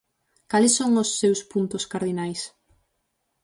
Cales son os seus puntos cardinais?